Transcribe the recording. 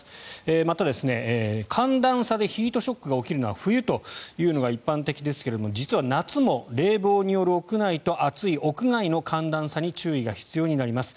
また、寒暖差でヒートショックが起きるのは冬というのが一般的ですけれども実は夏も冷房による屋内と暑い屋外の寒暖差に注意が必要になります。